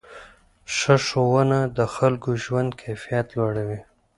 ښه ښوونه د خلکو ژوند کیفیت لوړوي.